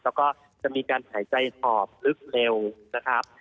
แล้วก็จะมีการหายใจหอบลึกเร็วนะครับ